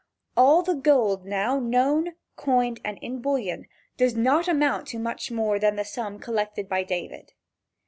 All the gold now known, coined and in bullion, does not amount to much more than the sum collected by David.